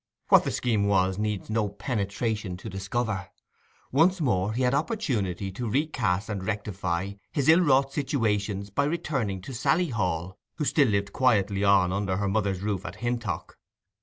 What the scheme was needs no penetration to discover. Once more he had opportunity to recast and rectify his ill wrought situations by returning to Sally Hall, who still lived quietly on under her mother's roof at Hintock.